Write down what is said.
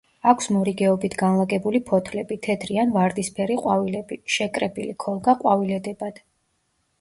აქვს მორიგეობით განლაგებული ფოთლები, თეთრი ან ვარდისფერი ყვავილები, შეკრებილი ქოლგა ყვავილედებად.